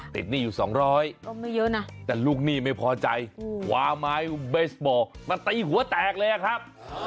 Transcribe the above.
ติดหนี้อยู่๒๐๐แต่ลูกหนี้ไม่พอใจหวามายเบสบอลมาตีหัวแตกเลยอะครับ